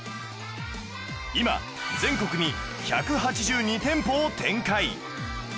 今全国に１８２店舗を展開